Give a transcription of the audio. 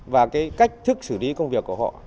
và cách thức xử lý công việc của họ